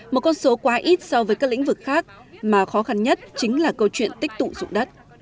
một con số quá ít so với các lĩnh vực khác mà khó khăn nhất chính là câu chuyện tích tụ dụng đất